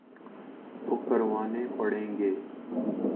تو کروانے پڑیں گے۔